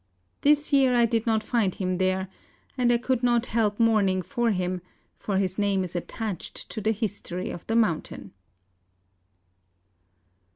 This year I did not find him there; and I could not help mourning for him, for his name is attached to the history of the mountain.